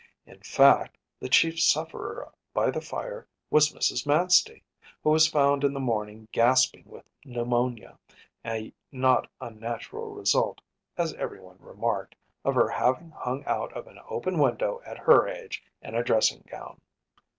In fact, the chief sufferer by the fire was Mrs. Manstey, who was found in the morning gasping with pneumonia, a not unnatural result, as everyone remarked, of her having hung out of an open window at her age in a dressing gown.